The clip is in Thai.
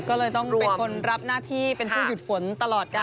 ก็เลยต้องเป็นคนรับหน้าที่เป็นผู้หยุดฝนตลอดการ